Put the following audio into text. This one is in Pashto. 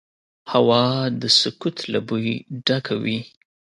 هوا د سکوت له بوی ډکه وي